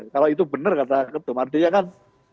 kalau itu benar kata ketum artinya kan